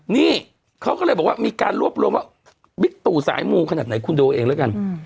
นี่เขาก็เลยบอกว่ามีการรวบรวมว่าบิ๊กตู่สายมูขนาดไหนคุณดูเองแล้วกัน